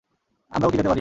আমরাও কি যেতে পারি?